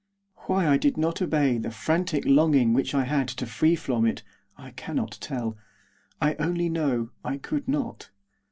Why I did not obey the frantic longing which I had to flee from it, I cannot tell; I only know, I could not.